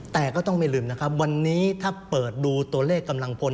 แต่ก็ต้องไม่ลืมนะครับวันนี้ถ้าเปิดดูตัวเลขกำลังพล